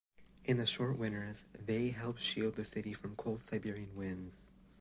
In the short winters, they help shield the city from cold Siberian winds.